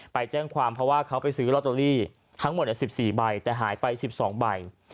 ไปแจ้งความเพราะว่าเขาไปซื้อลอตเตอรี่ทั้งหมด๑๔ใบแต่หายไป๑๒ใบ